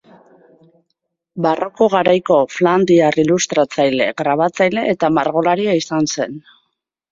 Barroko garaiko flandriar ilustratzaile, grabatzaile eta margolaria izan zen.